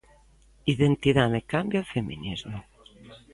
Identidade, cambio e feminismo.